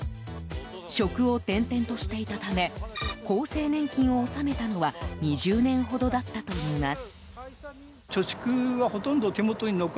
職を転々としていたため厚生年金を納めたのは２０年ほどだったといいます。